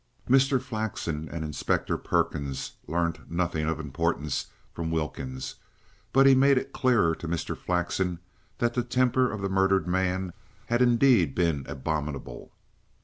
Mr. Flexen and Inspector Perkins learnt nothing of importance from Wilkins; but he made it clearer to Mr. Flexen that the temper of the murdered man had indeed been abominable.